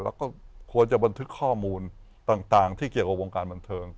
แล้วก็ควรจะบันทึกข้อมูลต่างที่เกี่ยวกับวงการบันเทิง